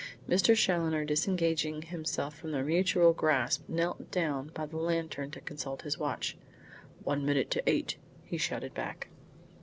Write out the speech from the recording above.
Mr. Challoner, disengaging himself from their mutual grasp, knelt down by the lantern to consult his watch. "One minute to eight," he shouted back.